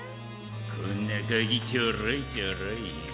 こんなカギちょろいちょろい。